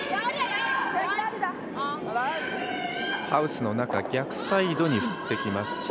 ハウスの中逆サイドに振ってきます。